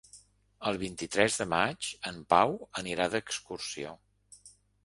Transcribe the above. El vint-i-tres de maig en Pau anirà d'excursió.